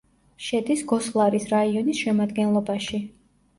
შედის გოსლარის რაიონის შემადგენლობაში.